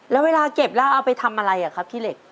แล้วเวลาเก็บแล้วเอาไปทำอะไรครับขี้เหล็ก